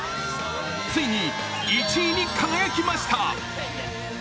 ついに１位に輝きました。